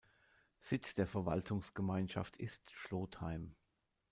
Sitz der Verwaltungsgemeinschaft ist Schlotheim.